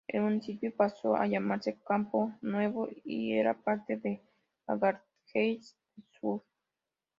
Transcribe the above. El municipio pasó a llamarse Campo Nuevo y era parte de Laranjeiras do Sur.